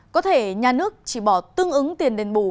có thể nhà nước chỉ bỏ tương ứng tiền đền bù